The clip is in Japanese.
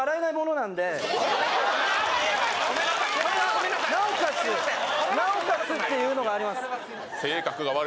なおかつっていうのがあります